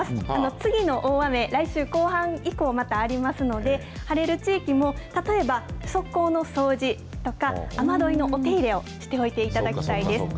次の大雨、来週後半以降、またありますので、晴れる地域も、例えば側溝の掃除とか、雨どいのお手入れをしておいていただきたいです。